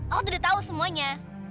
aku udah tahu semuanya